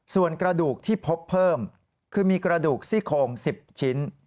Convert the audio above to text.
ส่วนกระดูกที่พบเพิ่มคือมีกระดูกซี่โคง๑๐ชิ้น